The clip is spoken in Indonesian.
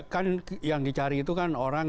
kan yang dicari itu kan orang